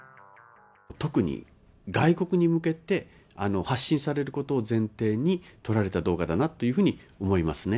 特に外国に向けて発信されることを前提に撮られた動画だなというふうに思いますね。